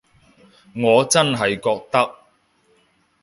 我真係覺得